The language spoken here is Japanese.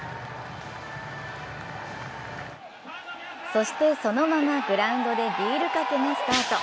そして、そのままグラウンドでビールかけがスタート。